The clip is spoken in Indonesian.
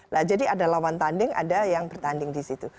nah jadi ada lawan tanding ada yang bertanding di situ